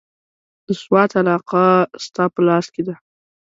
د سوات علاقه ستا په لاس کې ده.